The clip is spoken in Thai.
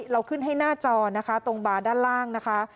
เราขึ้นให้หน้าจอนะคะตรงบาร์ด้านล่างนะคะ